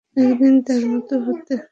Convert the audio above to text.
একদিন তার মতো হতে?